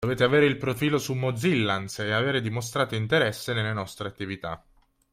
Dovete avere il profilo su mozillians e aver dimostrato interesse nelle nostre attività.